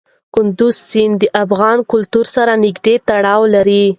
کندز سیند د افغان کلتور سره نږدې تړاو لري.